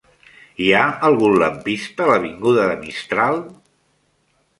Hi ha algun lampista a l'avinguda de Mistral?